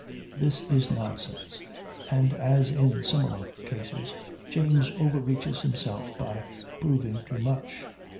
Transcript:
This is nonsense, and, as in similar cases, James overreaches himself by proving too much.